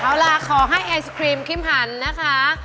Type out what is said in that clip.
เอาล่ะขอให้ไอศครีมคิมหันนะคะ